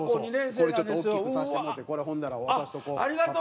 これちょっと大きくさせてもろうてこれほんだら渡しておこう。